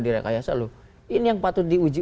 di rekayasa loh ini yang patut diuji